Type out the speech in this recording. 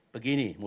tiga rabu itu